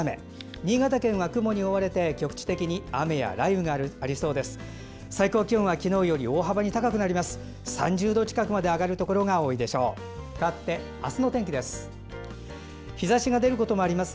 新潟県は雲に覆われて局地的に雨や雷雨がありそうです。